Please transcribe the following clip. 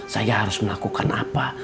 saya harus melakukan apa